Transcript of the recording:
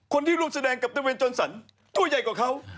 คนที่ร่วมแสดงกับตะเวนจนสันตัวใหญ่กว่าเขา